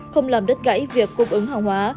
không làm đất gãy việc cung ứng hàng hóa